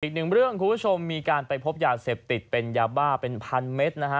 อีกหนึ่งเรื่องคุณผู้ชมมีการไปพบยาเสพติดเป็นยาบ้าเป็นพันเมตรนะฮะ